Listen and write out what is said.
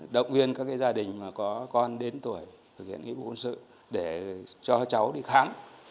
động viên các gia đình mà có con đến tuổi thực hiện nghĩa vụ quân sự để cho cháu đi khám